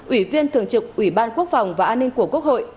ủy viên thường trực ủy ban quốc phòng và an ninh của quốc hội